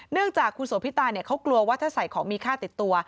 เนื่องจากคุณโสพิตาเขากลัวว่าถ้าใส่ของมีค่าติดตัว